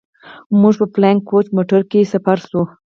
موږ په فلاينګ کوچ موټر کښې سپاره سو.